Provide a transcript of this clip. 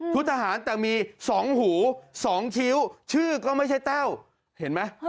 ทหารแต่มี๒หู๒คิ้วชื่อก็ไม่ใช่แต้วเห็นไหม